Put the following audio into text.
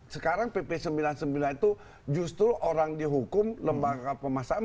sekarang pp sembilan puluh sembilan itu justru orang dihukum lembaga pemasangan